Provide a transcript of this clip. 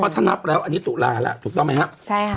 เพราะถ้านับแล้วอันนี้ตุลาแล้วถูกต้องไหมฮะใช่ฮะ